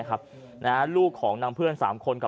ชาวบ้านญาติโปรดแค้นไปดูภาพบรรยากาศขณะ